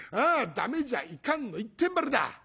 『駄目じゃ』『いかん』の一点張りだ。